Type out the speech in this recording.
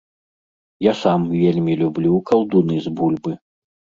Я сам вельмі люблю калдуны з бульбы.